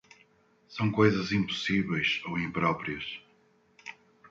São coisas impossíveis ou impróprias.